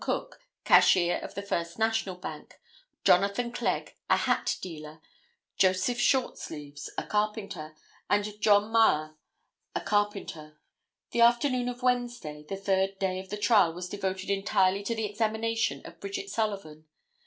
Cook, cashier of the First National Bank, Jonathan Clegg, a hat dealer, Joseph Shortsleeves, a carpenter, and John Maher a carpenter. The afternoon of Wednesday, the third day of the trial was devoted entirely to the examination of Bridget Sullivan.